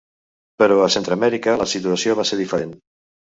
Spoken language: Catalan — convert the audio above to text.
Però a Centreamèrica la situació va ser diferent.